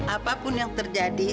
apapun yang terjadi